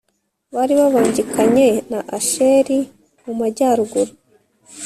bari babangikanye na asheri mu majyaruguru